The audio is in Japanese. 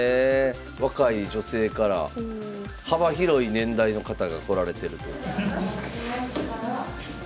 若い女性から幅広い年代の方が来られてると。